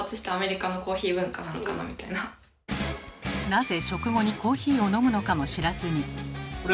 なぜ食後にコーヒーを飲むのかも知らずに。